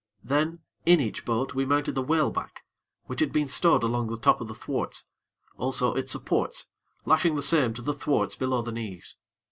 Then, in each boat, we mounted the whaleback which had been stowed along the tops of the thwarts also its supports, lashing the same to the thwarts below the knees.